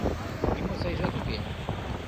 Нимо сайжат уке.